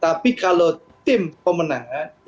tapi kalau tim pemenangan insya allah